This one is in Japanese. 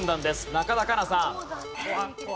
中田花奈さん。